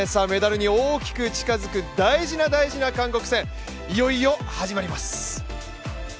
メダルに大きく近づく大事な大事な韓国戦、いよいよ始まります。